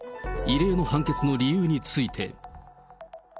異例の判決の理由について。